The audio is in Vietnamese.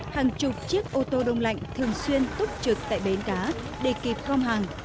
hàng chục chiếc ô tô đông lạnh thường xuyên túc trực tại bến cá để kịp gom hàng